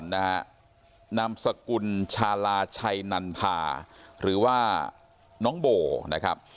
นามสกุลชาลาชัยนันพาหรือว่าน้องโบนะครับ